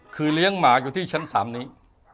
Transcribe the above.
คือเลี้ยงหมาอยู่ที่ชั้น๓นี้